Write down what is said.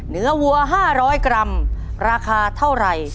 เนื้อวัว๕๐๐กรัมราคาเท่าไหร่